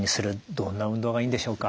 どんな運動がいいんでしょうか？